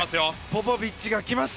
ポポビッチが来ます！